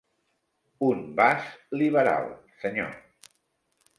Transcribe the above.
Un vas liberal, senyor.